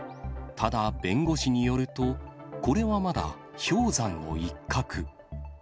ただ弁護士によると、これはまだ氷山の一角。